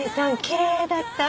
きれいだった。